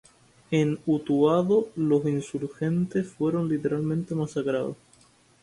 En Utuado, los insurgentes fueron literalmente masacrados.